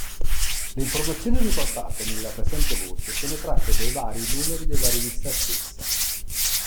Le informazioni riportate nella presente voce sono tratte dai vari numeri della rivista stessa.